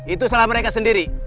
itu salah mereka sendiri